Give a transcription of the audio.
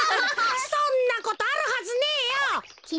そんなことあるはずねえよ。